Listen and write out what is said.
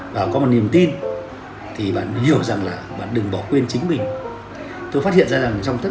và có một niềm tin thì bạn hiểu rằng là bạn đừng bỏ quên chính mình tôi phát hiện ra rằng trong tất